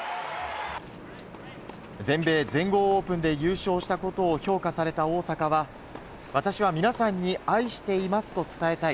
全米・全豪オープンで優勝したことを評価された大坂は私は皆さんに愛していますと伝えたい。